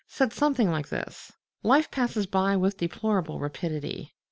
said something like this: Life passes by with deplorable rapidity.